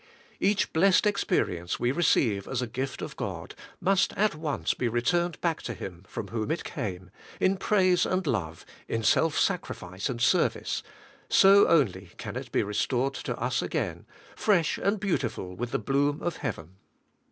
Each blessed experience we receive ad FORSAKING ALL FOR HIM. 127 a gift of God, must at once be returned back to Him from whom it came, in praise and love, in self sacri fice and service; so only can it be restored to us again, fresh and beautiful with the bloom of heaven.